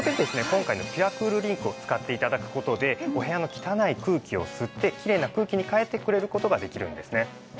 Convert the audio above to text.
今回のピュアクールリンクを使って頂く事でお部屋の汚い空気を吸ってきれいな空気に変えてくれる事ができるんですね。